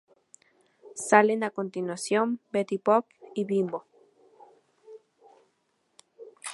Salen, a continuación, Betty Boop y Bimbo.